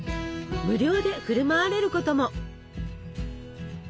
無料で振る舞われることも。